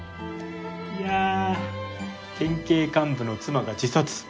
いやあ県警幹部の妻が自殺。